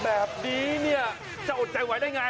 แบบนี้จะอดใจไว้ได้ไง